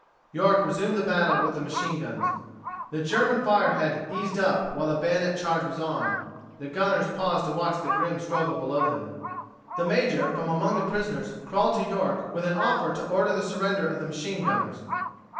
York resumed the battle with the machine guns. The German fire had "eased up" while the bayonet charge was on. The gunners paused to watch the grim struggle below them. The major, from among the prisoners crawled to York with an offer to order the surrender of the machine gunners.